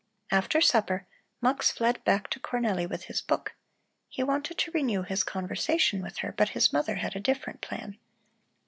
After supper Mux fled back to Cornelli with his book. He wanted to renew his conversation with her, but his mother had a different plan.